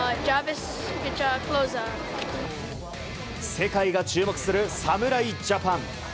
世界が注目する侍ジャパン。